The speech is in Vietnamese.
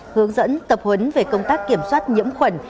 hướng dẫn tập huấn về công tác kiểm soát nhiễm khuẩn